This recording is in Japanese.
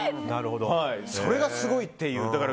それがすごいという。